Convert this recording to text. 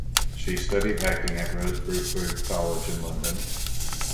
She studied acting at Rose Bruford College in London.